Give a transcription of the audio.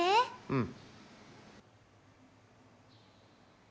うん。